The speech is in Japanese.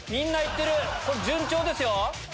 これ順調ですよ。